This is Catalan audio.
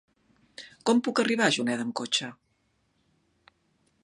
Com puc arribar a Juneda amb cotxe?